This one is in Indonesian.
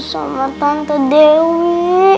sama tante dewi